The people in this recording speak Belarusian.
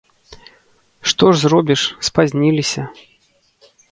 Што ж зробіш, спазніліся.